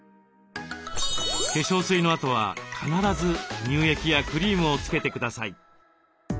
化粧水のあとは必ず乳液やクリームをつけてください。